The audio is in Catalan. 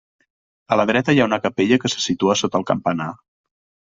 A la dreta hi ha una capella que se situa sota el campanar.